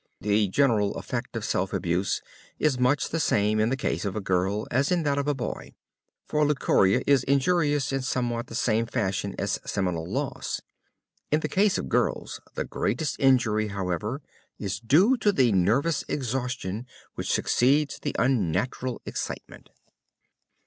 The general effect of self abuse is much the same in the case of a girl as in that of a boy, for leucorrhea is injurious in somewhat the same fashion as seminal loss. In the case of girls the greatest injury, however, is due to the nervous exhaustion which succeeds the unnatural excitement.